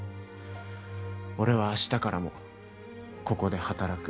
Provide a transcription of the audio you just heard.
俺は明日からもここで働く。